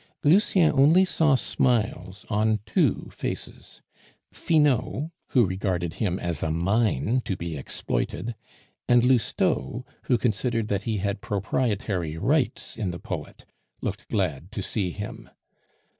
Lucien only saw smiles on two faces Finot, who regarded him as a mine to be exploited, and Lousteau, who considered that he had proprietary rights in the poet, looked glad to see him.